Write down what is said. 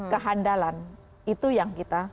kehandalan itu yang kita